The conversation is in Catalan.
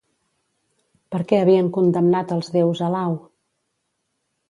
Per què havien condemnat els déus a l'au?